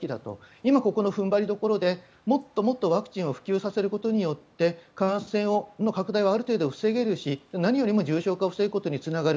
今ここの踏ん張りどころでもっともっとワクチンを普及させることによって感染の拡大をある程度防げるし何よりも重症化を防ぐことにつながる。